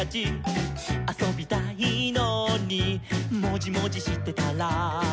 「あそびたいのにもじもじしてたら」